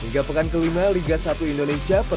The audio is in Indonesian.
hingga pekan kelima liga satu indonesia